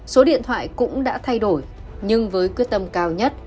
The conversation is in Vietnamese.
số điện thoại cũng đã thay đổi nhưng với quyết tâm cao nhất